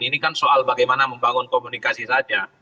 ini kan soal bagaimana membangun komunikasi saja